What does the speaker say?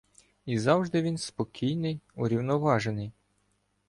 І завжди він спокійний, урівноважений.